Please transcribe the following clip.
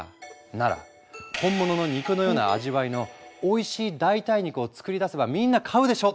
なら本物の肉のような味わいのおいしい代替肉を作り出せばみんな買うでしょ！